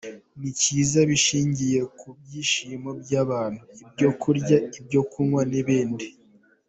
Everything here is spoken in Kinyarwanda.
Ni cyiza bishingiye ku byishimo by’abantu, ibyo kurya, ibyo kunywa n’ibindi”.